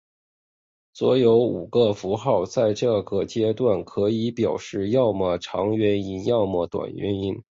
所有五个符号在这个阶段可以表示要么长元音要么短元音。